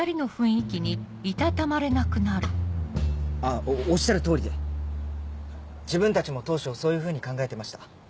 あおっしゃる通りで自分たちも当初そういうふうに考えてました。